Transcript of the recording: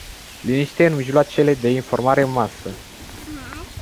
Liniște în mijloacele de informare în masă.